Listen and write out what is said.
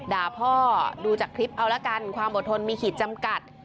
ด่าพ่อดูจากคลิปเอาละกันความอดทนมีขีดจำกัด